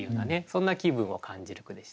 そんな気分を感じる句でしたね。